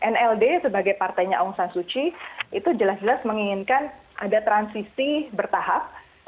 nld sebagai partainya aung san suu kyi itu jelas jelas menginginkan ada transisi bertahap